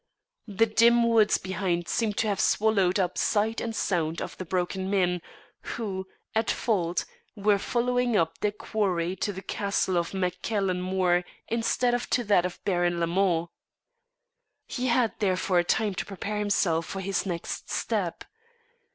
The dim woods behind seemed to have swallowed up sight and sound of the broken men, who, at fault, were following up their quarry to the castle of Mac Cailen Mor instead of to that of Baron Lamond. He had therefore time to prepare himself for his next step.